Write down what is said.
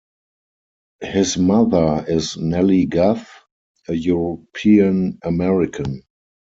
His mother is Nellie Guth, a European-American.